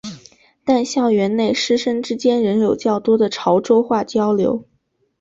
但校园内师生之间仍有较多的潮州话交流。